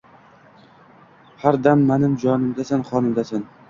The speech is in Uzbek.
Har dam manim jonimdasan qonimdasan